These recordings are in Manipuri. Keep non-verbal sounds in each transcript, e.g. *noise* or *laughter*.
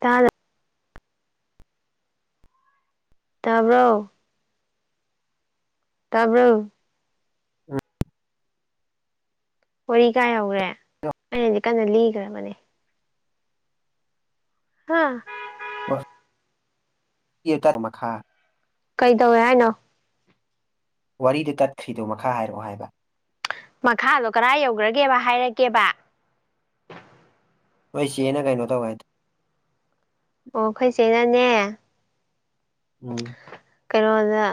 ꯇꯥꯔ ꯇꯥꯕ꯭ꯔꯣ ꯇꯥꯕ꯭ꯔꯣ ꯎꯝ ꯋꯥꯔꯤ ꯀꯥꯏ ꯌꯧꯒ꯭ꯔꯦ ꯑꯩꯅꯗꯤ ꯀꯟꯅ ꯂꯤꯈ꯭ꯔꯕꯅꯦ ꯍꯥ *unintelligible* ꯀꯩꯗꯧꯋꯦ ꯍꯥꯏꯅꯣ ꯋꯥꯔꯤꯗꯨ ꯇꯠꯈ꯭ꯔꯤꯗꯨ ꯃꯈꯥ ꯍꯥꯏꯔꯛꯑꯣ ꯍꯥꯏꯕ ꯃꯈꯥꯗꯣ ꯀꯔꯥꯏ ꯌꯧꯒꯔꯥꯒꯦꯕ ꯍꯥꯏꯔꯛꯀꯦꯕ ꯅꯣꯏ ꯆꯦꯅ ꯀꯩꯅꯣ ꯇꯧꯋꯦ ꯍꯥꯏꯗꯣ ꯑꯣ ꯑꯩꯈꯣꯏꯆꯦꯅꯅꯦ ꯎꯝ ꯀꯩꯅꯣꯗ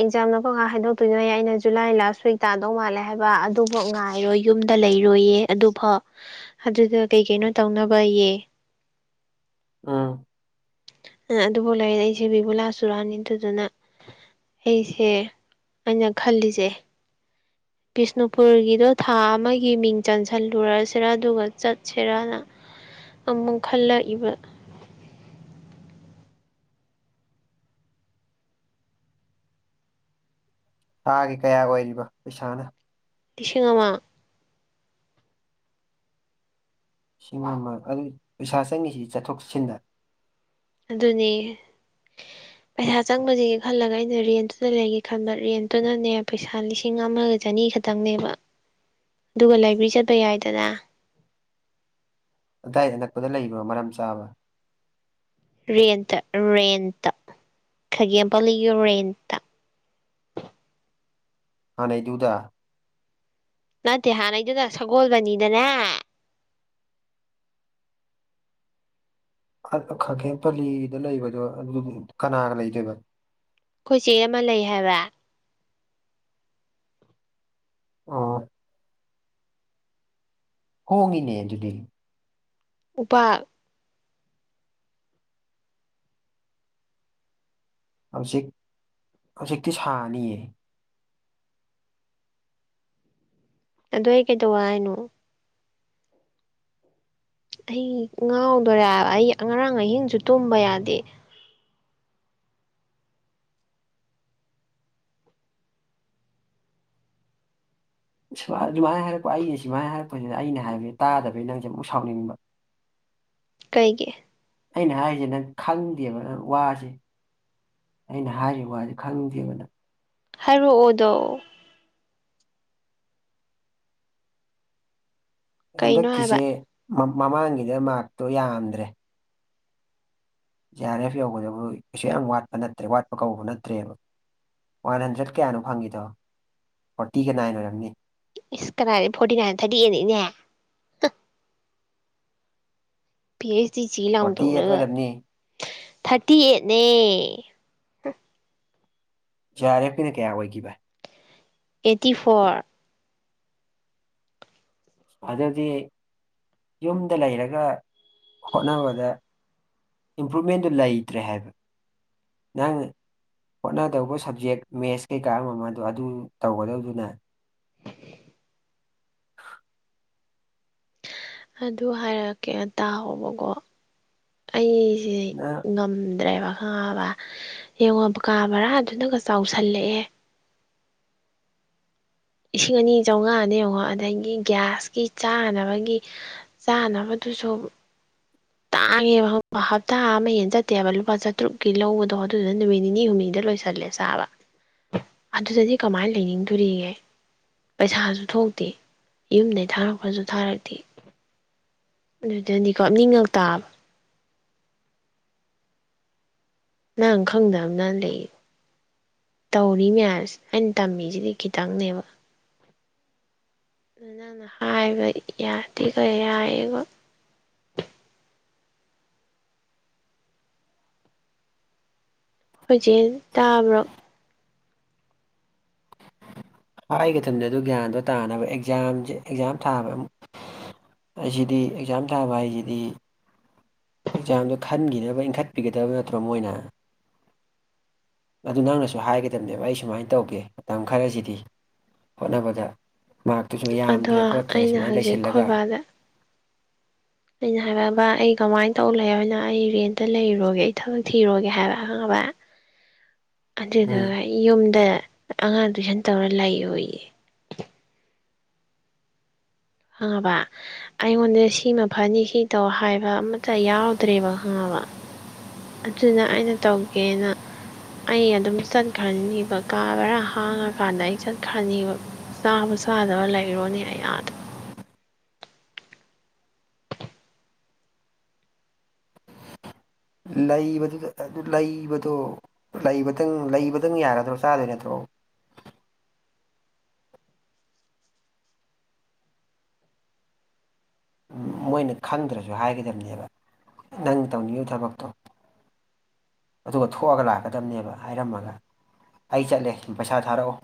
ꯑꯦꯛꯖꯥꯝꯗꯣ ꯀꯝꯀꯥꯟꯗ ꯍꯥꯏꯗꯣꯛꯇꯣꯏꯅꯣꯌꯦ ꯑꯩꯅ ꯖꯨꯂꯥꯏ ꯂꯥꯁ ꯋꯤꯛ ꯇꯥꯗꯧ ꯃꯥꯜꯂꯦ ꯍꯥꯏꯕ ꯑꯗꯨ ꯑꯣ ꯉꯥꯏꯔꯣ ꯌꯨꯝꯗ ꯂꯩꯔꯣꯌꯦ ꯑꯗꯨꯐꯥꯎ ꯑꯗꯨꯗ ꯀꯩ ꯀꯩꯅꯣ ꯇꯧꯅꯕꯌꯦ ꯎꯝ ꯑꯗꯨꯕꯨ ꯂꯩꯔ ꯑꯩꯁꯦ ꯕꯤꯕꯨꯂꯥ ꯆꯨꯔꯥꯅꯤ ꯑꯗꯨꯗꯨꯅ ꯑꯩꯁꯦ ꯑꯩꯅ ꯈꯜꯂꯤꯁꯦ ꯕꯤꯁꯅꯨꯄꯨꯔꯒꯤꯗꯣ ꯊꯥ ꯑꯃꯒꯤ ꯃꯤꯡ ꯆꯟꯁꯜꯂꯨꯔꯁꯤꯔꯥ ꯑꯗꯨꯒ ꯆꯠꯁꯤꯔꯅ ꯑꯃꯨꯛ ꯈꯜꯂꯛꯏꯕ ꯊꯥꯒꯤ ꯀꯌꯥ ꯑꯣꯏꯔꯤꯕ ꯄꯩꯁꯥꯅ ꯂꯤꯁꯤꯡ ꯑꯃꯥ ꯁꯤꯡ ꯑꯃ ꯑꯗꯨꯗꯤ ꯄꯩꯁꯥ ꯆꯪꯏꯁꯦ ꯆꯠꯊꯣꯛ ꯆꯠꯁꯤꯟꯗ ꯑꯗꯨꯅꯤ ꯄꯩꯁꯥ ꯆꯪꯕꯁꯤꯒ ꯈꯜꯂꯒ ꯑꯩꯅ ꯔꯦꯟꯇꯨꯗ ꯂꯩꯒꯦ ꯈꯟꯕ ꯔꯦꯟꯇꯨꯅꯅꯦ ꯄꯩꯁꯥ ꯂꯤꯁꯤꯡ ꯑꯃꯒ ꯆꯅꯤ ꯈꯠ ꯇꯪꯅꯦꯕ ꯑꯗꯨꯒ ꯂꯥꯏꯕ꯭ꯔꯤ ꯆꯠꯄ ꯌꯥꯏꯗꯅ ꯑꯗꯥꯏ ꯑꯅꯛꯄꯗ ꯂꯩꯕ꯭ꯔꯣ ꯃꯔꯝ ꯆꯥꯕ ꯔꯦꯟꯇ ꯔꯦꯟꯇ ꯈꯥꯒꯦꯝ ꯄꯜꯂꯤꯒꯤ ꯔꯦꯟꯇ ꯍꯥꯟꯅꯩꯗꯨꯗ ꯅꯠꯇꯦ ꯍꯥꯟꯅꯩꯗꯨꯅ ꯁꯒꯣꯜꯕꯜꯅꯤꯗꯅꯦ *unintelligible* ꯈꯥꯒꯦꯝ ꯄꯜꯂꯤꯗ ꯂꯩꯕꯗꯣ ꯑꯗꯨ ꯀꯅꯥꯒ ꯂꯩꯗꯣꯏꯕ ꯑꯩꯈꯣꯏ ꯆꯦ ꯑꯃ ꯂꯩ ꯍꯥꯏꯕ ꯑꯣ ꯍꯣꯡꯉꯤꯅꯦ ꯑꯗꯨꯗꯤ ꯎꯄꯥꯛ ꯍꯧꯖꯤꯛ ꯍꯧꯖꯤꯛꯇꯤ ꯁꯥꯅꯤꯌꯦ ꯑꯗꯨ ꯑꯩ ꯀꯩꯗꯧ ꯍꯥꯏꯅꯣ ꯑꯩ ꯉꯥꯎꯗꯧꯔꯦꯕ ꯑꯩ ꯉꯔꯥꯡ ꯑꯍꯤꯡꯁꯨ ꯇꯨꯝꯕ ꯌꯥꯗꯦ ꯁꯨꯃꯥꯏꯅ ꯍꯥꯏꯔꯛꯄ ꯑꯩꯅ ꯁꯨꯃꯥꯏꯅ ꯍꯥꯏꯔꯛꯄꯁꯤꯗ ꯑꯩꯅ ꯍꯥꯏꯕꯁꯤ ꯇꯥꯗꯕꯅꯤꯅ ꯅꯪꯁꯦ ꯑꯃꯨꯛ ꯁꯥꯎꯅꯤꯡꯕ ꯀꯩꯒꯤ ꯑꯩꯅ ꯍꯥꯏꯔꯤꯁꯦ ꯅꯪ ꯈꯪꯗꯦꯕ ꯅꯪ ꯋꯥꯁꯦ ꯑꯩꯅ ꯍꯥꯏꯔꯤꯕ ꯋꯥꯁꯦ ꯈꯪꯗꯦꯕ ꯅꯪ ꯍꯥꯏꯔꯛꯑꯣ ꯑꯗꯣ ꯀꯩꯅꯣ ꯍꯥꯏꯕ ꯍꯟꯗꯛꯀꯤꯁꯦ ꯃꯃꯥꯡꯒꯤꯗ ꯃꯥꯛꯇꯣ ꯌꯥꯝꯗ꯭ꯔꯦ ꯖꯦ ꯑꯥꯔ ꯑꯦꯐ ꯌꯧꯒꯗꯧꯕ ꯀꯩꯁꯨ ꯌꯥꯝ ꯋꯥꯠꯄ ꯅꯠꯇ꯭ꯔꯦ ꯋꯥꯠꯄ ꯀꯧꯕ ꯅꯠꯇ꯭ꯔꯦꯕ ꯋꯥꯟ ꯍꯟꯗ꯭ꯔꯦꯗ ꯀꯌꯥꯅꯣ ꯐꯪꯉꯤꯗꯣ ꯐꯣꯔꯇꯤꯒ ꯅꯥꯏꯟ ꯑꯣꯏꯔꯝꯅꯤ ꯏꯁ ꯀꯗꯥꯏꯗ ꯐꯣꯔꯇꯤ ꯅꯥꯏꯟꯗ ꯊꯥꯔꯇꯤ ꯑꯦꯠꯅꯤꯅꯦ ꯄꯤ ꯑꯩꯩꯆ ꯗꯤ ꯆꯤ ꯂꯥꯎꯅ ꯐꯣꯔꯇꯤ ꯑꯩꯠ ꯇꯧꯔꯒ ꯑꯣꯏꯔꯝꯅꯤ ꯊꯥꯔꯇꯤ ꯑꯦꯠꯅꯦ ꯖꯦ ꯑꯥꯔ ꯑꯦꯐ ꯀꯤꯅ ꯀꯌꯥ ꯑꯣꯏꯈꯤꯕ ꯑꯦꯠꯇꯤ ꯐꯣꯔ ꯑꯗꯨꯗꯤ ꯌꯨꯝꯗ ꯂꯩꯔꯒ ꯍꯣꯠꯅꯕꯗ ꯏꯝꯄ꯭ꯔꯨꯞꯃꯦꯟꯗꯨ ꯂꯩꯇ꯭ꯔꯦ ꯍꯥꯏꯕ ꯅꯪ ꯍꯣꯠꯅꯗꯧꯕ ꯁꯕꯖꯦꯛ ꯃꯦꯠꯁ ꯀꯩꯀꯥ ꯑꯃꯗꯣ ꯑꯗꯨ ꯇꯧꯒꯗꯧꯕꯗꯨꯅ *inaudible* ꯑꯗꯨ ꯍꯥꯏꯔꯛꯀꯦ ꯇꯥꯎꯑꯣꯕꯀꯣ ꯑꯩ ꯖꯦ ꯅꯪ ꯉꯝꯗ꯭ꯔꯦꯕꯥ ꯈꯪꯉꯕꯥ ꯌꯦꯡꯉꯣ ꯀꯥ ꯕꯥꯔꯥꯗꯨꯅꯒ ꯆꯥꯎꯁꯜꯂꯛꯑꯦ ꯂꯤꯁꯤꯡ ꯑꯅꯤ ꯆꯧꯉꯥꯅꯤ ꯌꯦꯡꯉꯣ ꯑꯗꯒꯤ ꯒ꯭ꯌꯥꯁꯀꯤ ꯆꯥꯅꯕꯒꯤ ꯆꯥꯅꯕꯗꯨꯖꯨ ꯇꯥꯡꯉꯦꯕ ꯈꯪꯕ꯭ꯔꯥ ꯍꯞꯇꯥ ꯑꯃ ꯍꯦꯟꯅ ꯆꯠꯇꯦꯕ ꯂꯨꯄꯥ ꯆꯥꯇ꯭ꯔꯨꯛꯀꯤ ꯂꯧꯕꯗꯣ ꯑꯗꯨꯗꯨꯅ ꯅꯨꯃꯤꯠ ꯅꯤꯅꯤ ꯍꯨꯝꯅꯤꯗ ꯂꯣꯏꯁꯤꯜꯂꯦ ꯆꯥꯕ ꯑꯗꯨꯗꯗꯤ ꯀꯃꯥꯏ ꯂꯩꯅꯤꯡꯗꯨꯔꯤꯒꯦ ꯄꯩꯁꯥꯖꯨ ꯊꯣꯛꯇꯦ ꯌꯨꯝꯗꯒꯤ ꯊꯥꯔꯛꯄꯁꯨ ꯊꯥꯔꯛꯇꯦ ꯑꯗꯨꯗꯗꯤꯀꯣ ꯀꯞꯅꯤꯡꯉꯛ ꯇꯥꯕ ꯅꯪ ꯈꯪꯗꯕ *unintelligible* ꯂꯩ ꯇꯧꯔꯤ ꯃꯌꯥꯝꯁꯦ ꯑꯩꯅ ꯇꯝꯃꯤꯁꯤꯗꯤ ꯈꯤꯇꯪꯅꯦꯕ ꯅꯪꯅ ꯍꯥꯏꯕ ꯌꯥꯗꯦꯒ ꯌꯥꯏꯌꯦꯒ ꯑꯩꯈꯣꯏ ꯆꯦꯅ ꯇꯥꯕ꯭ꯔꯣ ꯍꯥꯏꯒꯗꯕꯅꯦ ꯑꯗꯨ ꯒ꯭ꯌꯥꯟꯗꯣ ꯇꯥꯅꯕ ꯑꯦꯛꯖꯥꯝꯖꯦ ꯑꯦꯛꯖꯥꯝ ꯊꯥꯕ ꯃ ꯍꯥꯢꯁꯤꯗꯤ ꯑꯦꯛꯖꯥꯝ ꯊꯥꯕ ꯍꯥꯏꯖꯤꯗꯤ ꯑꯦꯛꯖꯥꯝꯗꯣ ꯈꯟꯒꯤꯅꯕ ꯏꯟꯈꯠꯄꯤꯒꯗꯕ ꯅꯠꯇ꯭ꯔꯣ ꯃꯣꯏꯅ ꯑꯗꯨ ꯅꯪꯅꯁꯨ ꯍꯥꯏꯒꯗꯕꯅꯦꯕ ꯑꯩ ꯁꯨꯃꯥꯏꯅ ꯇꯧꯒꯦ ꯃꯇꯝ ꯈꯔꯁꯤꯗꯤ ꯍꯣꯠꯅꯕꯗ ꯃꯥꯛꯇꯨꯁꯨ ꯑꯗꯣ ꯌꯥꯝꯗ꯭ꯔꯦ ꯈꯣꯠꯇ꯭ꯔꯦ ꯑꯩꯅ ꯁꯨꯃꯥꯏ ꯍꯧꯖꯤꯛ ꯂꯩꯁꯤꯜꯂꯒ ꯈꯣꯏꯕꯥꯗ ꯑꯩꯅ ꯍꯥꯏꯕ ꯕꯥ ꯑꯩ ꯀꯃꯥꯏ ꯇꯧ ꯂꯩꯑꯣ ꯍꯥꯏꯅꯣ ꯑꯩ ꯔꯦꯟꯇ ꯂꯩꯔꯨꯔꯒꯦ ꯑꯩ ꯊꯕꯛ ꯊꯤꯔꯣꯒꯦ ꯍꯥꯏꯕ ꯈꯪꯉꯕꯥ ꯎꯝ ꯑꯗꯨꯗꯨꯒ ꯌꯨꯝꯗ ꯑꯉꯥꯡ ꯇꯨꯏꯁꯟ ꯇꯧꯔꯥ ꯂꯩꯑꯣꯌꯦ ꯈꯪꯉꯕꯥ ꯑꯩꯉꯣꯟꯗ ꯁꯤꯃꯥ ꯐꯅꯤ ꯁꯤ ꯇꯧ ꯍꯥꯏꯕ ꯑꯃꯇ ꯌꯥꯎꯗ꯭ꯔꯦꯕ ꯈꯪꯉꯕꯥ ꯑꯗꯨꯅ ꯑꯩꯅ ꯇꯧꯒꯦꯅ ꯑꯩ ꯑꯗꯨꯝ ꯆꯠꯈ꯭ꯔꯅꯤꯕ ꯀꯥ ꯚꯔꯥ ꯍꯥꯡꯉ ꯀꯥꯟꯗ ꯑꯩ ꯆꯠꯈ꯭ꯔꯅꯦꯕ ꯆꯥꯕ ꯆꯥꯗꯕ ꯂꯩꯔꯨꯔꯅꯤ ꯑꯩ ꯑꯥꯗ ꯂꯩꯕꯗꯨꯗ ꯑꯗꯨ ꯂꯩꯕꯗꯣ ꯂꯩꯕꯇꯪ ꯂꯩꯕꯇꯪ ꯌꯥꯔꯗ꯭ꯔꯣ ꯆꯥꯗꯣꯏ ꯅꯠꯇ꯭ꯔꯣ ꯃꯣꯏꯅ ꯈꯪꯗ꯭ꯔꯁꯨ ꯍꯥꯏꯒꯗꯕꯅꯦꯕ ꯅꯪ ꯇꯧꯅꯤꯡꯉꯤꯕ ꯊꯕꯛꯇꯣ ꯑꯗꯨꯒ ꯊꯣꯛꯑꯒ ꯂꯥꯛꯀꯗꯕꯅꯦꯕ ꯍꯥꯏꯔꯝꯃꯒ ꯑꯩ ꯆꯠꯂꯦ ꯄꯩꯁꯥ ꯊꯥꯔꯛꯑꯣ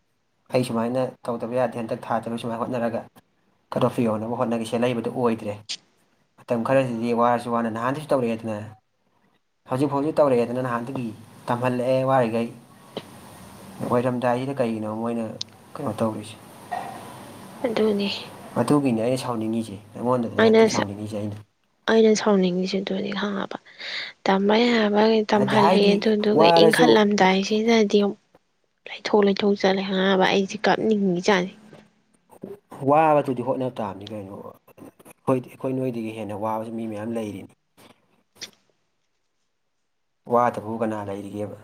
ꯑꯩ ꯁꯨꯃꯥꯏꯅ ꯇꯧꯗꯕ ꯌꯥꯗꯦ ꯍꯟꯗꯛ ꯊꯥꯗ꯭ꯔꯁꯨ ꯁꯨꯃꯥꯏ ꯍꯣꯠꯅꯔꯒ ꯀꯠ ꯑꯣꯐꯇꯨ ꯌꯧꯅꯕ ꯍꯣꯠꯅꯒꯦ ꯁꯤ ꯂꯩꯕꯗꯨ ꯑꯣꯏꯗ꯭ꯔꯦ ꯃꯇꯝ ꯈꯔꯗꯗꯤ ꯋꯥꯔꯁꯨ ꯋꯥꯅ ꯅꯍꯥꯟꯗꯩꯁꯨ ꯇꯧꯔꯛꯑꯦꯗꯅ ꯍꯧꯖꯤꯛ ꯐꯥꯎꯗꯤ ꯇꯧꯔꯛꯑꯦꯗꯅ ꯅꯍꯥꯟꯗꯒꯤ ꯇꯝꯍꯜꯂꯛꯑꯦ ꯋꯥꯔꯤꯉꯩ ꯑꯣꯏꯔꯝꯗꯥꯏꯖꯤꯗ ꯀꯩꯒꯤꯅꯣ ꯃꯣꯏꯅ ꯀꯩꯅꯣ ꯇꯧꯔꯤꯁꯦ ꯑꯗꯨꯅꯦ ꯑꯗꯨꯒꯤꯅꯦ ꯑꯩ ꯁꯥꯎꯅꯤꯡꯉꯤꯁꯦ ꯑꯩꯉꯣꯟꯗꯗ ꯑꯩꯅ ꯅꯠꯇꯦ ꯁꯥꯎꯅꯤꯡꯉꯤꯁꯦ ꯑꯩꯅ ꯑꯩꯅ ꯁꯥꯎꯅꯤꯡꯉꯤꯁꯦ ꯑꯗꯨꯅꯦ ꯈꯪꯉꯕꯥ ꯇꯝꯕꯥ ꯌꯥꯕꯒꯩ ꯍꯥꯏꯗꯤ ꯇꯝꯍꯜꯂꯦ ꯍꯥꯏꯗꯤ ꯑꯗꯨꯗꯨꯒ ꯋꯥꯔꯁꯨ ꯏꯟꯈꯠꯂꯝꯗꯥꯏꯁꯤꯗꯗꯤ ꯂꯩꯊꯣꯛ ꯂꯩꯊꯣꯛ ꯆꯠꯂꯦ ꯈꯪꯉꯕ ꯑꯩꯖꯦ ꯀꯞꯅꯤꯡꯉꯤ ꯖꯥꯠꯅꯤ ꯋꯥꯕꯗꯨꯗꯤ ꯍꯣꯠꯅ ꯇꯥꯝꯅꯤ ꯀꯩꯅꯣ ꯈꯣꯏꯗꯤ ꯑꯩꯈꯣꯏ ꯅꯣꯏꯗꯒꯤ ꯍꯦꯟꯅ ꯋꯥꯕꯖꯦ ꯃꯤ ꯃꯌꯥꯝ ꯂꯩꯔꯤꯅꯤ ꯋꯥꯗꯕꯕꯨ ꯀꯅꯥ ꯂꯩꯔꯤꯒꯦꯕ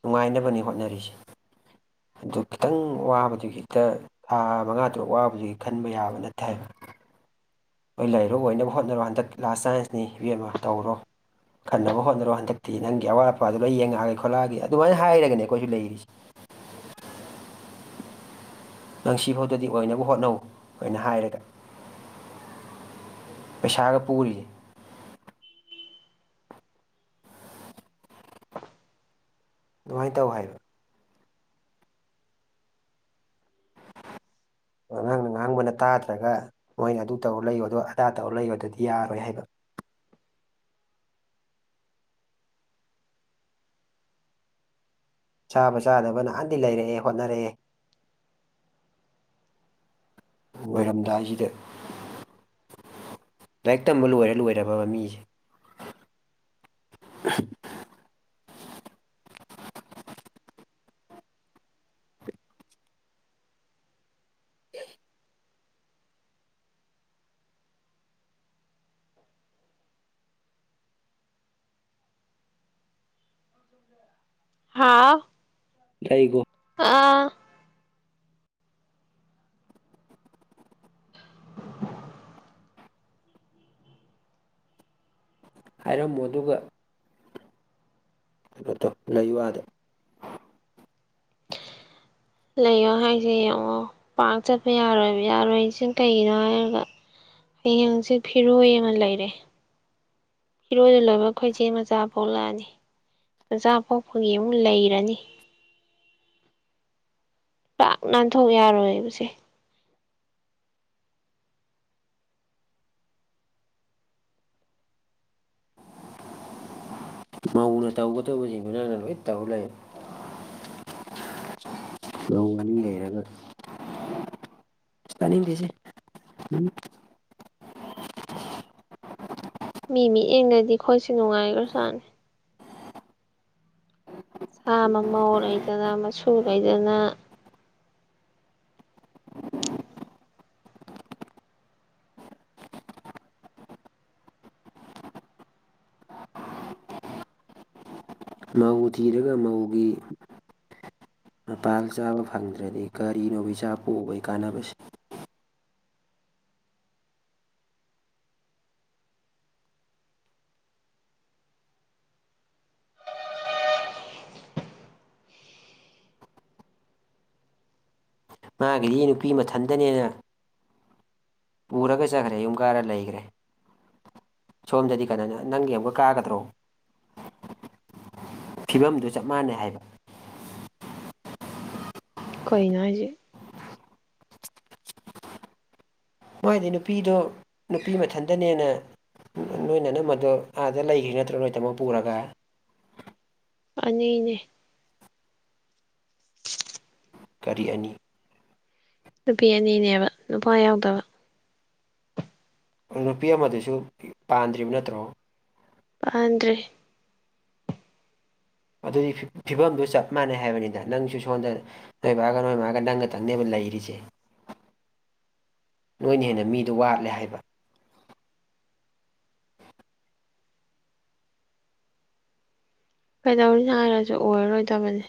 ꯅꯨꯡꯉꯥꯏꯅꯕꯅꯤ ꯍꯣꯠꯅꯔꯤꯁꯦ ꯑꯗꯨ ꯈꯤꯇꯪ ꯋꯥꯕꯗꯨꯏ ꯍꯦꯛꯇ ꯊꯥ ꯃꯉꯥ ꯇꯔꯨꯛ ꯋꯥꯕꯗꯨꯒꯤ ꯈꯟꯕ ꯌꯥꯕ ꯅꯠꯇꯦ ꯍꯥꯏꯕ ꯍꯣꯏ ꯂꯩꯔꯣ ꯑꯣꯏꯅꯕ ꯍꯣꯠꯅꯔꯣ ꯍꯟꯗꯛ ꯂꯥꯁ ꯆꯥꯟꯁꯅꯤ ꯏꯕꯦꯝꯃꯥ ꯇꯧꯔꯣ ꯈꯟꯅꯕ ꯍꯣꯠꯅꯔꯣ ꯍꯟꯗꯛꯇꯤ ꯅꯪꯒꯤ ꯑꯋꯥꯠ ꯑꯄꯥꯗꯣ ꯂꯣꯏ ꯌꯦꯡꯉꯛꯑꯒꯦ ꯈꯣꯠꯂꯛꯑꯒꯦ ꯑꯗꯨꯃꯥꯏ ꯍꯥꯏꯔꯒꯅꯦ ꯑꯩꯈꯣꯏꯖꯨ ꯂꯩꯔꯤꯁꯤ ꯅꯪ ꯁꯤꯕꯥꯎꯗꯗꯤ ꯑꯣꯏꯅꯕ ꯍꯣꯠꯅꯧ ꯀꯥꯏꯅ ꯍꯥꯏꯔꯒ ꯄꯩꯁꯥꯒ ꯄꯨꯔꯤꯌꯦ ꯑꯗꯨꯃꯥꯏ ꯇꯧ ꯍꯥꯏꯕ *inaudible* ꯑꯥ ꯅꯪꯅ ꯉꯥꯡꯕꯅ ꯇꯥꯗ꯭ꯔꯒ ꯃꯣꯏꯅ ꯑꯗꯨ ꯇꯧꯔ ꯂꯩꯌꯣ ꯑꯗꯨ ꯑꯗꯥ ꯇꯧꯔ ꯂꯩꯌꯣ ꯗꯨꯗꯤ ꯌꯥꯔꯣꯏ ꯍꯥꯏꯕ ꯆꯥꯕ ꯆꯥꯗꯕ ꯅꯍꯥꯟꯗꯩ ꯂꯩꯔꯛꯑꯦ ꯍꯣꯠꯅꯔꯛꯑꯦ ꯂꯣꯏꯔꯝꯗꯥꯏꯖꯤꯗ ꯂꯥꯏꯔꯤꯛ ꯇꯝꯕ ꯂꯣꯏꯔ ꯂꯣꯏꯔꯕꯕ ꯃꯤꯖꯦ ꯍꯥꯥ ꯂꯩꯒꯣ ꯑꯥ ꯍꯥꯏꯔꯝꯃꯣ ꯑꯗꯨꯒ ꯑꯗꯨꯝ ꯂꯩꯌꯨ ꯑꯥꯗ ꯂꯩꯌꯣ ꯍꯥꯏꯁꯦ ꯌꯦꯡꯉꯣ ꯄꯥꯛ ꯆꯠꯄ ꯌꯥꯔꯣꯏꯕ ꯌꯥꯔꯣꯏ ꯍꯥꯏꯁꯤ ꯀꯩꯒꯤꯅꯣ ꯍꯥꯏꯔꯒ ꯍꯌꯦꯡ ꯍꯪꯆꯤꯠ ꯐꯤꯔꯣꯏ ꯑꯃ ꯂꯩꯔꯦ ꯐꯤꯔꯣꯏꯗꯨ ꯂꯣꯏꯕꯒ ꯈꯣꯏ ꯆꯦ ꯃꯆꯥ ꯄꯣꯛꯂꯛꯑꯅꯤ ꯃꯆꯥ ꯄꯣꯛꯄꯒꯤ ꯑꯃꯨꯛ ꯂꯩꯔꯅꯤ ꯄꯥꯛ ꯅꯥꯟꯊꯣꯛ ꯌꯥꯔꯣꯏꯕꯁꯦ ꯃꯧꯅ ꯇꯧꯒꯗꯧꯕꯖꯤꯡꯗꯨ ꯅꯪꯅ ꯂꯣꯏ ꯇꯧ ꯂꯩꯔꯦ ꯃꯧ ꯑꯅꯤ ꯂꯩꯔꯒ ꯇꯥꯅꯤꯡꯗꯦꯁꯦ ꯎꯝ ꯃꯤ ꯃꯤꯠꯌꯦꯡꯗꯗꯤ ꯈꯣꯏꯁꯦ ꯅꯨꯡꯉꯥꯏꯈ꯭ꯔꯖꯠꯅꯤ ꯆꯥ ꯃꯃꯧ ꯂꯩꯗꯅ ꯃꯁꯨ ꯂꯩꯗꯅ ꯃꯧ ꯊꯤꯔꯒ ꯃꯧꯒꯤ ꯃꯄꯥꯜ ꯆꯥꯕ ꯐꯪꯗ꯭ꯔꯗꯤ ꯀꯔꯤꯅꯣꯕ ꯏꯆꯥ ꯄꯣꯛꯎꯕꯩ ꯀꯥꯟꯅꯕꯁꯦ ꯃꯥꯒꯤꯗꯤ ꯅꯨꯄꯤ ꯃꯊꯟꯗꯅꯦꯅ ꯄꯨꯔꯒ ꯆꯠꯈ꯭ꯔꯦ ꯌꯨꯝ ꯀꯥꯔ ꯂꯩꯒ꯭ꯔꯦ ꯁꯣꯝꯗꯗꯤ ꯀꯥꯅꯅ ꯅꯪꯒꯤ ꯑꯝꯒ ꯀꯥꯒꯗ꯭ꯔꯣ ꯐꯤꯕꯝꯗꯨ ꯆꯞ ꯃꯥꯟꯅꯩ ꯍꯥꯏꯕ ꯀꯩꯅꯣ ꯍꯥꯏꯖꯦ ꯃꯣꯏꯗꯤ ꯅꯨꯄꯤꯗꯣ ꯅꯨꯄꯤ ꯃꯊꯟꯇꯅꯦꯅ ꯅꯣꯏ ꯅꯅꯝꯃꯗꯣ ꯑꯥꯗ ꯂꯩꯒꯤ ꯅꯠꯇ꯭ꯔꯣ ꯅꯣꯏ ꯇꯥꯃꯣ ꯄꯨꯔꯒ ꯑꯅꯤꯅꯦ ꯀꯔꯤ ꯑꯅꯤ ꯅꯨꯄꯤ ꯑꯅꯤꯅꯦꯕ ꯅꯨꯄꯥ ꯌꯥꯎꯗꯕ ꯅꯨꯄꯤ ꯑꯃꯗꯨꯁꯨ ꯄꯥꯟꯗ꯭ꯔꯤꯕ ꯅꯠꯇ꯭ꯔꯣ ꯄꯥꯟꯗ꯭ꯔꯤ ꯑꯗꯨꯗꯤ ꯐꯤ ꯐꯤꯕꯝꯗꯨ ꯆꯞ ꯃꯥꯟꯅꯩ ꯍꯥꯏꯕꯅꯤꯗ ꯅꯪꯁꯨ ꯁꯣꯟꯗ ꯅꯣꯏ ꯕꯥꯒ ꯅꯣꯏ ꯃꯥꯒ ꯅꯪꯒ ꯇꯪꯅꯦꯕ ꯂꯩꯔꯤꯁꯦ *inaudible* ꯅꯣꯏꯅ ꯍꯦꯟꯅ ꯃꯤꯗꯣ ꯋꯥꯠꯂꯦ ꯍꯥꯏꯕ ꯀꯩꯗꯧꯅꯤ ꯍꯥꯏꯔꯁꯨ ꯑꯣꯏꯔꯔꯣꯏꯗꯕꯅꯤ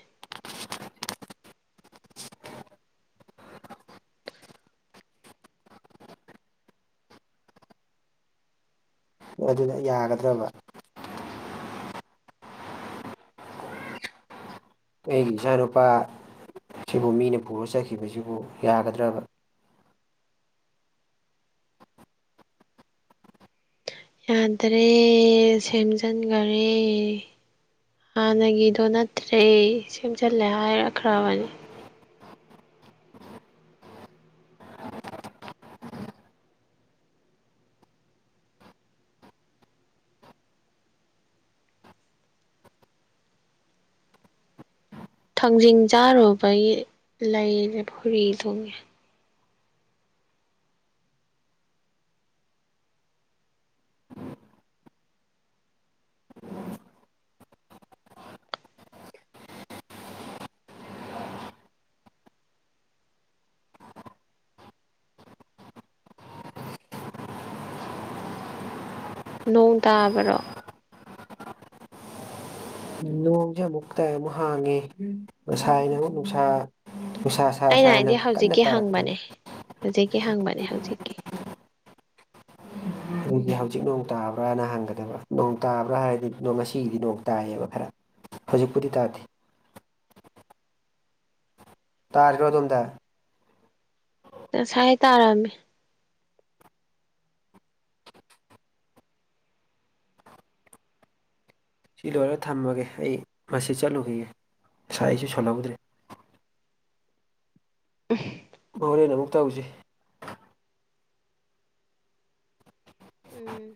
ꯑꯗꯨꯅ ꯌꯥꯒꯗ꯭ꯔꯕ ꯑꯩꯒꯤ ꯏꯆꯥꯅꯨꯄꯥ ꯁꯤꯕꯨ ꯃꯤꯅ ꯄꯨꯔꯥ ꯆꯠꯈꯤꯕꯖꯤꯕꯨ ꯌꯥꯒꯗ꯭ꯔꯕ ꯌꯥꯗ꯭ꯔꯦ ꯁꯦꯝꯖꯟꯒꯔꯦ ꯍꯥꯟꯅꯒꯤꯗꯣ ꯅꯠꯇ꯭ꯔꯦ ꯁꯦꯝꯖꯜꯂꯦ ꯍꯥꯏꯔꯛꯈ꯭ꯔꯕꯅꯤ ꯊꯥꯡꯖꯤꯡ ꯆꯥꯔꯨꯕꯕꯩ ꯂꯩꯖꯦ ꯐꯨꯔꯤ ꯊꯨꯡꯉꯦ ꯅꯣꯡ ꯇꯥꯕꯔꯣ ꯅꯣꯡꯖꯦ ꯑꯃꯨꯛ ꯇꯥꯏ ꯑꯃꯨꯛ ꯍꯥꯡꯉꯦ ꯉꯁꯥꯏꯅ ꯑꯃꯨꯛ ꯅꯨꯡꯁꯥ ꯅꯨꯡꯁꯥ ꯅꯨꯡꯁꯥ ꯑꯩꯅ ꯁꯥꯅ ꯍꯥꯏꯗꯤ ꯀꯟꯅ ꯍꯧꯖꯤꯛꯀꯤ ꯇꯥꯔꯛꯇꯥꯅꯥ ꯍꯪꯕꯅꯦ ꯍꯧꯖꯤꯛꯀꯤ ꯍꯪꯕꯅꯦ ꯍꯧꯖꯤꯛꯀꯤ ꯑꯗꯨꯗꯤ ꯍꯧꯖꯤꯛ ꯅꯣꯡ ꯇꯥꯕ꯭ꯔꯥꯅ ꯍꯪꯒꯗꯕ ꯅꯣꯡ ꯇꯥꯕ꯭ꯔꯥ ꯍꯥꯏꯔꯗꯤ ꯉꯁꯤꯒꯤꯗꯤ ꯅꯣꯡ ꯇꯥꯏꯌꯦꯕ ꯈꯔ ꯍꯧꯖꯤꯛꯄꯨꯗꯤ ꯇꯥꯗꯦ ꯇꯥꯔꯤꯔꯣ ꯑꯗꯣꯝꯗ ꯉꯁꯥꯏ ꯇꯥꯔꯝꯃꯦ ꯁꯤ ꯂꯣꯏꯔ ꯊꯝꯃꯒꯦ ꯑꯩ ꯃꯁꯤ ꯆꯠꯂꯨꯈꯤꯒꯦ ꯉꯁꯥꯏꯁꯨ ꯁꯣꯜꯍꯧꯗ꯭ꯔꯦ ꯎꯝ ꯍꯣꯔꯦꯟ ꯑꯃꯨꯛ ꯇꯧꯖꯤ ꯎꯝ